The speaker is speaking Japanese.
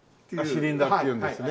シリンダーっていうんですね。